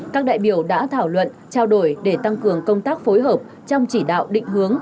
các đại biểu đã thảo luận trao đổi để tăng cường công tác phối hợp trong chỉ đạo định hướng